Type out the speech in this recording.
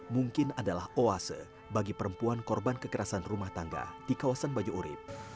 mungkin adalah oase bagi perempuan korban kekerasan rumah tangga di kawasan banyu urib